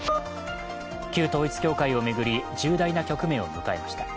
旧統一教会を巡り、重大な局面を迎えました。